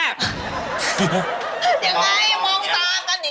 อย่างนั้นมองตาก็หนี